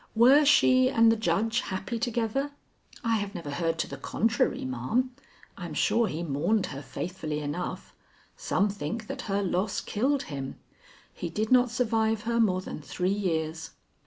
Were she and the judge happy together? I have never heard to the contrary, ma'am. I'm sure he mourned her faithfully enough. Some think that her loss killed him. He did not survive her more than three years."